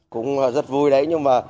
cũng rất vui đấy